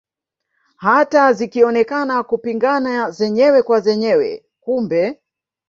Hata zikionekana kupingana zenyewe kwa zenyewe kumbe